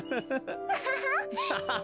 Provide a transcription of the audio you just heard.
ハハハハ。